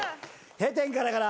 閉店ガラガラ。